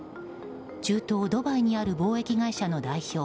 中東ドバイにある貿易会社の代表